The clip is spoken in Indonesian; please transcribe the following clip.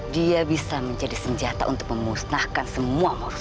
dia bisa menjadi senjata untuk memusnahkan semua